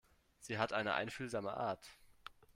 Sie hat eine einfühlsame Art.